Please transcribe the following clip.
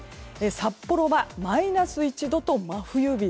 札幌はマイナス１度と真冬日。